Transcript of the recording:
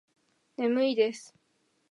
眠いです。